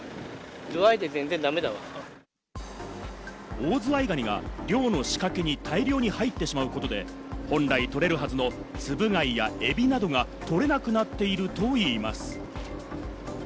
オオズワイガニが漁の仕掛けに大量に入ってしまうことで、本来取れるはずのツブ貝やエビなどが取れなくなっているといいます。